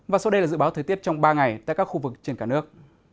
và sau đây là dự báo thời tiết trong ba ngày tại các khu vực trên cả nước